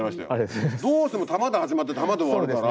どうしても玉で始まって玉で終わるから。